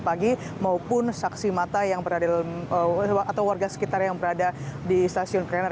pagi maupun saksi mata yang berada atau warga sekitar yang berada di stasiun klender